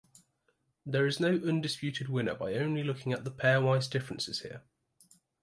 There is no undisputed winner by only looking at the pairwise differences here.